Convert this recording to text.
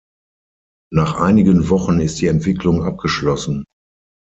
Nach einigen Wochen ist die Entwicklung abgeschlossen.